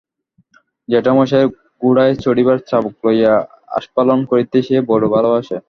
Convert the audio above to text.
জ্যাঠামশায়ের ঘোড়ায় চড়িবার চাবুক লইয়া আস্ফালন করিতে সে বড়ো ভালোবসে।